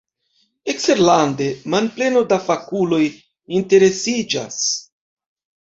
Eksterlande manpleno da fakuloj interesiĝas.